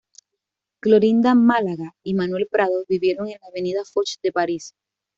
Clorinda Málaga y Manuel Prado vivieron en la Avenida Foch de París.